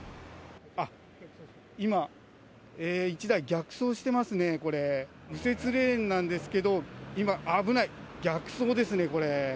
あっ、今、１台、逆走してますね、これ、右折レーンなんですけど、今、危ない、逆走ですね、これ。